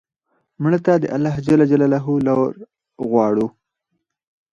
مړه ته د الله ج لور غواړو